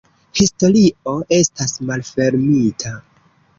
Historio estas malfermita.